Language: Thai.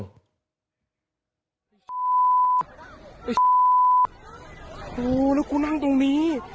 ไอ้โหแล้วกูนั่งตรงนี้